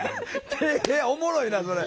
おもろいなそれ。